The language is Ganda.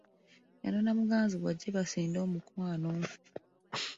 Yanona muganzi we ajje basinde omukwano.